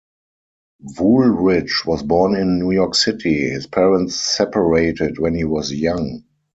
Woolrich was born in New York City; his parents separated when he was young.